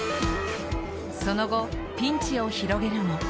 その後、ピンチを広げるも。